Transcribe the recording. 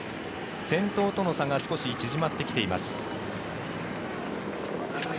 先頭との差が少し縮まってきています。